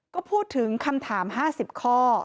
ก็พูดถึงคำถาม๕๐ข้อ